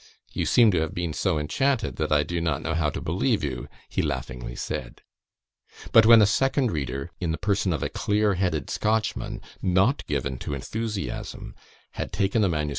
"You seem to have been so enchanted, that I do not know how to believe you," he laughingly said. But when a second reader, in the person of a clear headed Scotchman, not given to enthusiasm, had taken the MS.